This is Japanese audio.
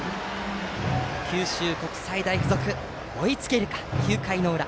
九州国際大付属は追いつけるか９回の裏。